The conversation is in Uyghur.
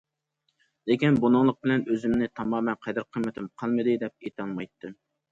لېكىن بۇنىڭلىق بىلەن ئۆزۈمنى تامامەن قەدىر- قىممىتىم قالمىدى دەپ ئېيتالمايتتىم.